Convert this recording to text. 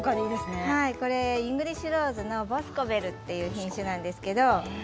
イングリッシュローズのボスコベルっていう品種なんですけど。